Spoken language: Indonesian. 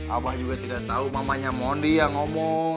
abah juga tidak tahu mamanya mondi yang ngomong